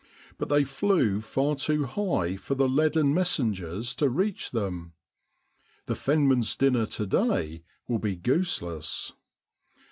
But they flew far too high for the leaden messengers to reach them. The fenman's dinner to day will be gooseless.